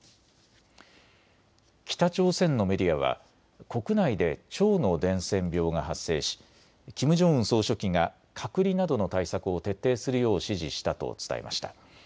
北朝鮮のメディアは国内で腸の伝染病が発生しキム・ジョンウン総書記が隔離などの対策を徹底するよう指示したと伝えました。